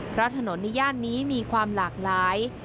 เพราะถนนในย่านนี้มีความหลากหลาย